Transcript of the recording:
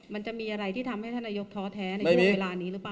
มันจะมีอะไรที่ทำให้ท่านนายกท้อแท้ในช่วงเวลานี้หรือเปล่า